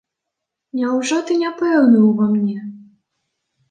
Няўжо ты не пэўны ўва мне?